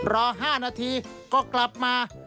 รอ๕นาทีก็กลับมา